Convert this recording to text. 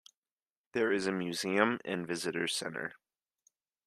There is a museum and visitors' center.